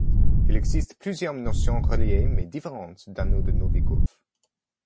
Il existe plusieurs notions reliées mais différentes d'anneau de Novikov.